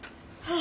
あ。